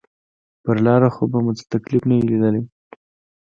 پر لاره خو به مو څه تکليف نه وي ليدلى.